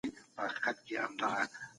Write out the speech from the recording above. دا هغه موضوع ده چي هر محصل ورسره علاقه لري.